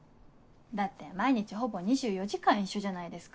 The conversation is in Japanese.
だって毎日ほぼ２４時間一緒じゃないですか。